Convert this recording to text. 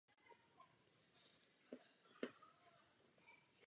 Ve třetí etapě držel Kankkunen vedení.